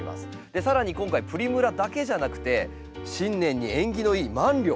更に今回プリムラだけじゃなくて新年に縁起のいいマンリョウ。